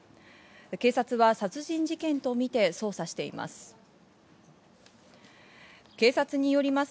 警察は殺人事件とみて捜査しています。